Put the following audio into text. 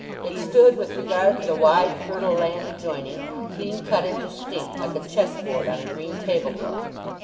It stood, with regard to the wide fertile land adjoining, clean cut and distinct, like a chess board on a green tablecloth.